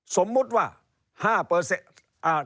สมมุติว่า๕เปอร์เซ็นต์